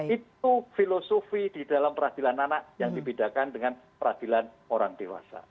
itu filosofi di dalam peradilan anak yang dibedakan dengan peradilan orang dewasa